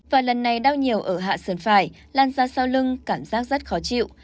và lần này đau nhiều ở hạ sườn phải lan ra sau lưng cảm giác rất khó chịu